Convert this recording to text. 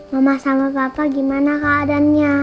mama sama papa gimana keadaannya